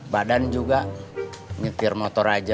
badan juga nyetir motor aja